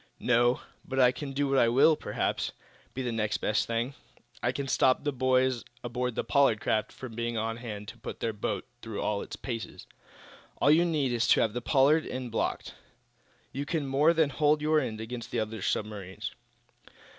"No; but I can do what will, perhaps, be the next best thing. I can stop the boys aboard the Pollard craft from being on hand to put their boat through all its paces. All you need is to have the Pollard end blocked. You can more than hold your end against the other submarines."